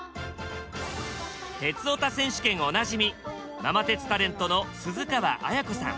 「鉄オタ選手権」おなじみママ鉄タレントの鈴川絢子さん。